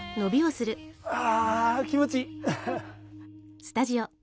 あ気持ちいい。